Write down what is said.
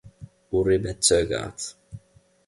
Uribe zögert.